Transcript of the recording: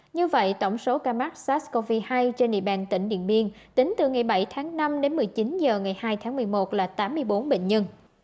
như vậy tổng số ca mắc sars cov hai trên địa bàn tỉnh điện biên tính từ ngày bảy tháng năm đến một mươi chín h ngày hai tháng một mươi một là tám mươi bốn bệnh nhân